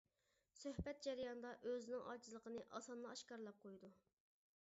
سۆھبەت جەريانىدا ئۆزىنىڭ ئاجىزلىقنى ئاسانلا ئاشكارىلاپ قويىدۇ.